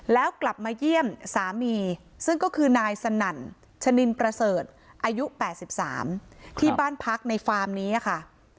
แล้วกลับมาเยี่ยมสามีซึ่งก็คือนายสนั่นชะนินประเสริฐอายุ๘๓ที่บ้านพักในฟาร์มนี้ค่ะ